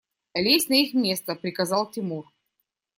– Лезь на их место! – приказал Тимур.